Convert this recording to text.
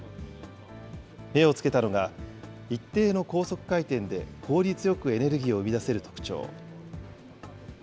目をつけたのが、一定の高速回転で効率よくエネルギーを生み出せる特徴。